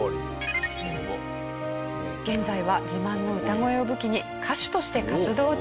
現在は自慢の歌声を武器に歌手として活動中。